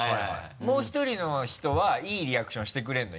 もう１人の人はいいリアクションしてくれるの？